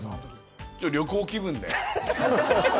旅行気分で。